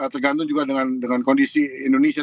tergantung juga dengan kondisi indonesia